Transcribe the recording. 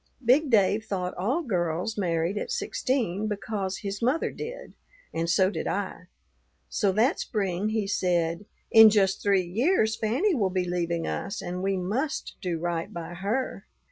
Big Dave thought all girls married at sixteen because his mother did, and so did I; so that spring he said, 'In just three years Fanny will be leaving us and we must do right by her.